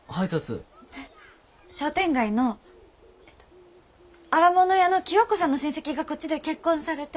商店街のえっと荒物屋の清子さんの親戚がこっちで結婚されて。